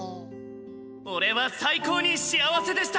俺は最高に幸せでした！